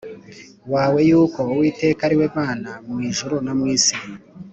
wawe yuko Uwiteka ari we Mana mu ijuru no mu isi